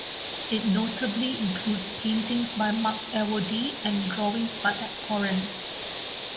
It notably includes paintings by Marc Awodey and drawings by Ed Koren.